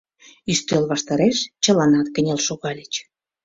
Ӱстел ваштареш чыланат кынел шогальыч.